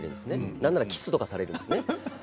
何なら、キスとかもされるんです。